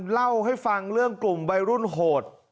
เล่าให้ฟังเรื่องกลุ่มวัยรุ่นโหด